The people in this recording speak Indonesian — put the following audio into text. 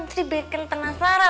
sri bikin penasaran